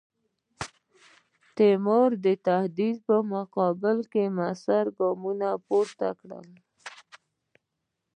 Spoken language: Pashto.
تیمورشاه د تهدید په مقابل کې موثر ګام پورته کړ.